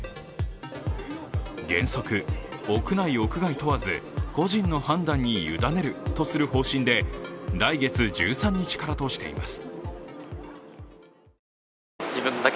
原則、屋内・屋外問わず個人の判断に委ねるとする方針で来月１３日からとしています。